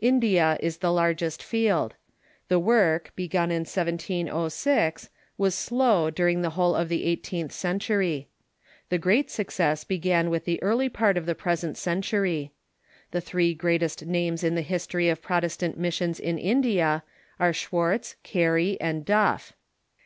India is the largest field. The work, begun in 170G, was slow during the whole of the eighteenth century. The great success began wuth the early part of the present cen ^•'^^i^.l^i'' tury. The three greatest names in the history of in India •' o __■' Protestant missions in India are Schwartz, Carey, and Duff.